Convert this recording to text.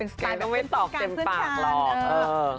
เป็นติดต่อกเต็มปากรอ